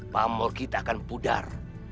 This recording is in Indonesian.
pamur kita akan pudar